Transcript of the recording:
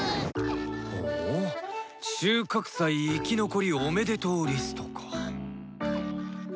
ほう「収穫祭生き残りおめでとうリスト」か。